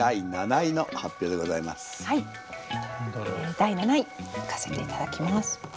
第７位いかせて頂きます。